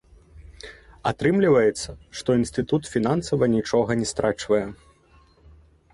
Атрымліваецца, што інстытут фінансава нічога не страчвае.